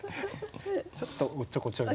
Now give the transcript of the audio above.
ちょっとおっちょこちょい。